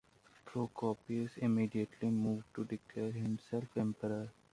Procopius immediately moved to declare himself Emperor.